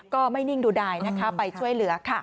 ไม่นิ่งดูดายนะคะไปช่วยเหลือค่ะ